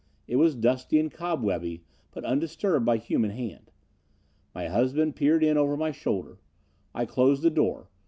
It was dusty and cobwebby, but undisturbed by human hand. My husband peered in over my shoulder. I closed the door.